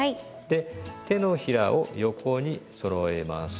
で手のひらを横にそろえます。